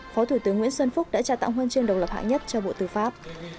phó thủ tướng nguyễn xuân phúc đã tra tạo huân chương độc lập hạ nhất cho bộ tư pháp